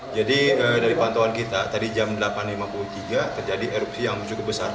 jadi dari pantauan kita tadi jam delapan lima puluh tiga terjadi erupsi yang cukup besar